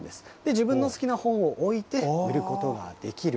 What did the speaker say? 自分の好きな本を置いて、売ることができる。